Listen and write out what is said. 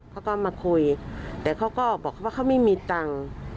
เขาก็มาคุยแต่เขาก็บอกเขาว่าเขาไม่มีตังค์